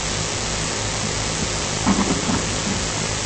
Was ist mit dem Co-Piloten?